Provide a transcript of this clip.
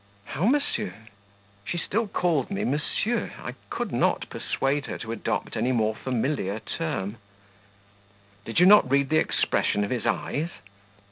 "How, monsieur?" (She still called me "monsieur"; I could not persuade her to adopt any more familiar term.) "Did you not read the expression of his eyes?"